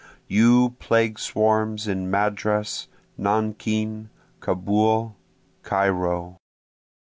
You plague swarms in Madras, Nankin, Kaubul, Cairo!